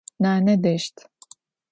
Nane deşt.